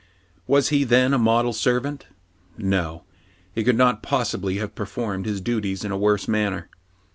Was he, then, a model servant } No : he could not possibly have performed his duties in a worse manner.